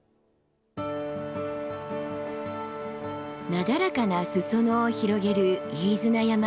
なだらかな裾野を広げる飯縄山。